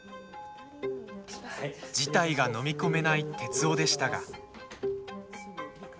事態が飲み込めない徹生でしたが。